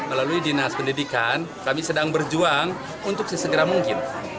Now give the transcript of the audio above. melalui dinas pendidikan kami sedang berjuang untuk sesegera mungkin